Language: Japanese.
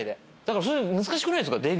だから難しくないですか？